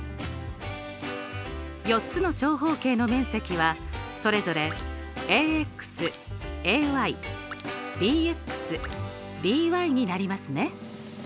４つの長方形の面積はそれぞれになりますね。